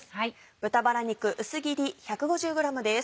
豚バラ肉薄切り１５０ｇです。